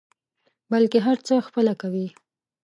بلکې هر څه خپله کوي.